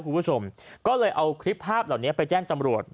คุณผู้ชมก็เลยเอาคลิปภาพเหล่านี้ไปแจ้งตำรวจ